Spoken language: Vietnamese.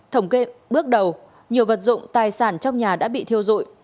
thổng kê bước đầu nhiều vật dụng tài sản trong nhà đã bị thiêu dụi